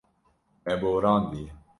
Me borandiye.